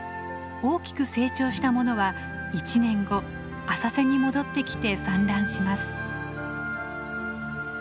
大きく成長したものは１年後浅瀬に戻ってきて産卵します。